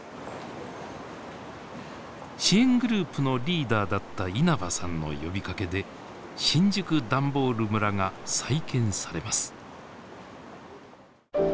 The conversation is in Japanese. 支援グループのリーダーだった稲葉さんの呼びかけで新宿ダンボール村が再建されます。